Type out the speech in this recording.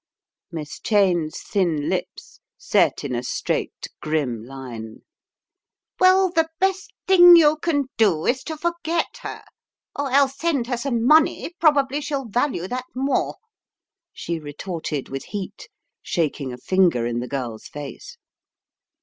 Miss Cheyne's thin lips set in a straight, grim line. "Well, the best thing you can do is to forget her, or else send her some money, probably she'll Talue that more," she retorted with heat, shaking a finger in the girl's face.